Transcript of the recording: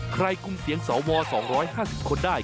ใครคุ้มเสียงสอวสองร้อยห้าสิบคนได้